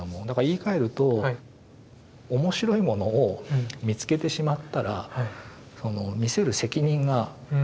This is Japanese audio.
だから言いかえると面白いものを見つけてしまったら見せる責任がある。